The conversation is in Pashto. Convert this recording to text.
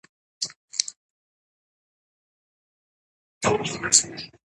موږ یو مېړنی او بې ساري ولس یو.